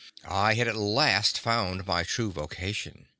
I had at last found my true vocation.